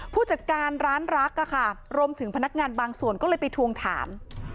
ผู้จัดการร้านรักรวมถึงพนักงานบางส่วนก็เลยไปทวงถาม